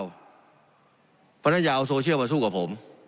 เพราะฉะนั้นอย่าเอาโซเชียลมาสู้กับผม